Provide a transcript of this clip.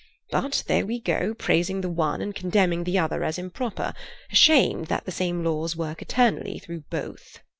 But there we go, praising the one and condemning the other as improper, ashamed that the same laws work eternally through both."